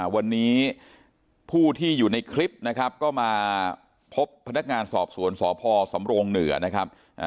วันนี้ผู้ที่อยู่ในคลิปนะครับก็มาพบพนักงานสอบสวนสพสำโรงเหนือนะครับ